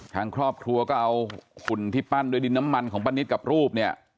ทางครอบครัวก็เอาขุนที่ปั้นด้วยดินน้ำมันของป้านิตกับรูปเนี่ย